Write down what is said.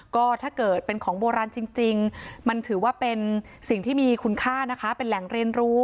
ก็ถ้าเกิดเป็นของโบราณจริงมันถือว่าเป็นสิ่งที่มีคุณค่านะคะเป็นแหล่งเรียนรู้